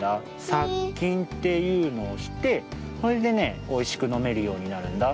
さっきんっていうのをしてそれでねおいしくのめるようになるんだ。